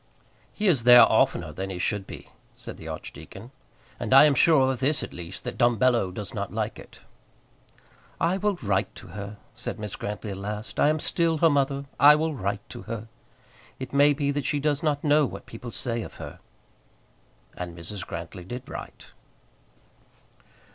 "He is there oftener than he should be," said the archdeacon. "And I am sure of this, at least, that Dumbello does not like it." "I will write to her," said Mrs. Grantly at last. "I am still her mother; I will write to her. It may be that she does not know what people say of her." And Mrs. Grantly did write.